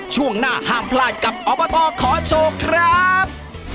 ช่วงหน้าห้ามพลาดกับอบตขอโชคครับ